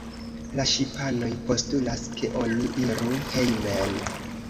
La ŝipanoj postulas, ke oni iru hejmen.